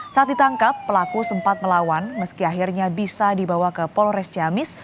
saat ditangkap pelaku sempat melawan meski akhirnya bisa dibawa ke polres ciamis